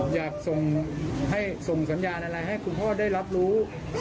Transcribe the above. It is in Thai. อยากให้ส่งสัญญาณอะไรให้คุณพ่อได้รับรู้